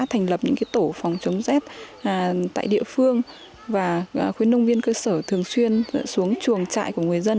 thành lập những tổ phòng chống rét tại địa phương và khuyến nông viên cơ sở thường xuyên xuống chuồng trại của người dân